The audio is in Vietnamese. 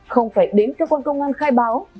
không phải đến cơ quan công an khai báo